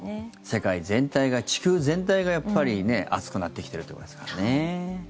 世界全体が、地球全体が暑くなってきているってことですからね。